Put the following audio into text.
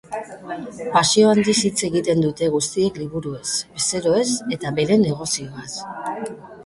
Pasio handiz hitz egiten dute guztiek liburuez, bezeroez eta beren negozioaz.